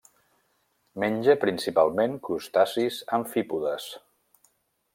Menja principalment crustacis amfípodes.